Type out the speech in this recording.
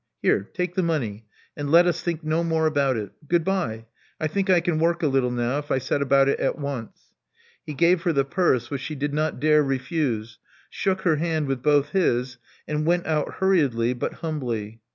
Here: take the money, and let us think no more about it. Goodbye! I think I can work a little now, if I set about it at once." He gave her the purse, which she did not dare refuse ; shook her hand with both his; and went out hurriedly, but humbly.